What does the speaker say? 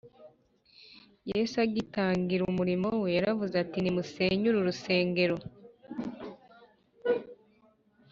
yesu agitangira umurimo we yaravuze ati, “nimusenye uru rusengero